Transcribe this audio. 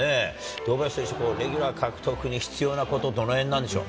堂林選手、レギュラー獲得に必要なこと、どのへんなんでしょう。